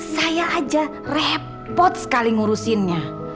saya aja repot sekali ngurusinnya